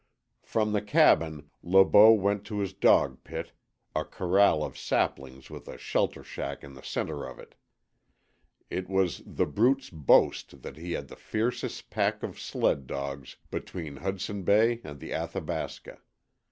From the cabin Le Beau went to his dog pit, a corral of saplings with a shelter shack in the centre of it. It was The Brute's boast that he had the fiercest pack of sledge dogs between Hudson Bay and the Athabasca.